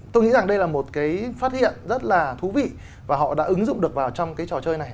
tôi nghĩ rằng đây là một cái phát hiện rất là thú vị và họ đã ứng dụng được vào trong cái trò chơi này